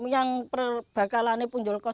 yang bakalannya punjolkos